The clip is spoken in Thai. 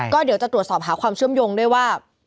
ก็เดี๋ยวจะตรวจสอบหาความเชื่อมโยงด้วยว่า